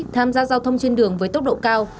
tham gia giao thông trên đường với tốc độ cao